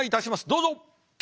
どうぞ。